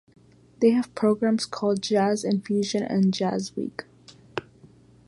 They have programs called Jazz Infusion and Jazz Week.